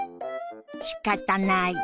「しかたない」。